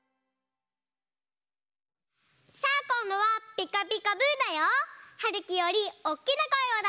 さあこんどは「ピカピカブ！」だよ。はるきよりおっきなこえをだしてね！